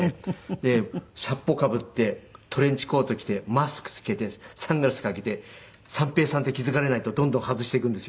でシャッポかぶってトレンチコート着てマスクつけてサングラスかけて三平さんって気付かれないとどんどん外していくんですよ。